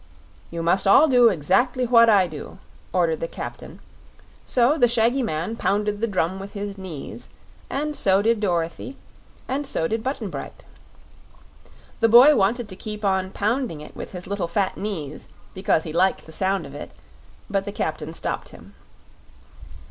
"You must all do exactly what I do," ordered the captain; so the shaggy man pounded the drum with his knees, and so did Dorothy and so did Button Bright. The boy wanted to keep on pounding it with his little fat knees, because he liked the sound of it; but the captain stopped him.